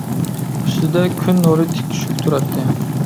ئۈستىدە كۈن نۇرى تىك چۈشۈپ تۇراتتى.